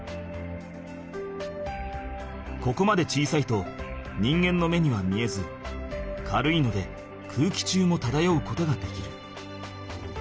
ここまで小さいと人間の目には見えず軽いので空気中もただようことができる。